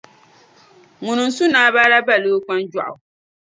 Ŋuni n-su naabaala ban lee o kpanjɔɣu.